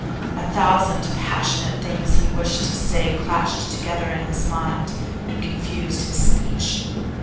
A thousand passionate things that he wished to say clashed together in his mind and confused his speech.